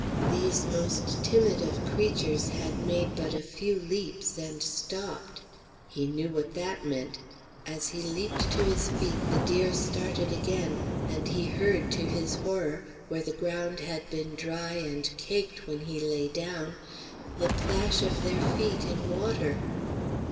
These most timid of creatures had made but a few leaps and stopped. He knew what that meant! As he leaped to his feet the deer started again, and he heard, to his horror, where the ground had been dry and caked when he lay down, the plash of their feet in water.